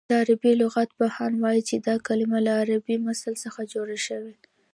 د عربي لغت پوهان وايي چې دا کلمه له عربي مثل څخه جوړه شوې